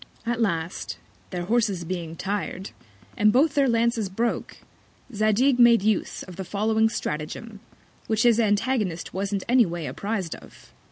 At last, their Horses being tired, and both their Lances broke, Zadig made use of the following Stratagem, which his Antagonist wasn't any ways appriz'd of.